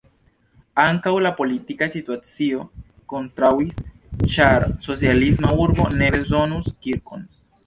Ankaŭ la politika situacio kontraŭis, ĉar "socialisma urbo ne bezonus kirkon"!